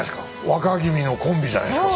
若君のコンビじゃないですか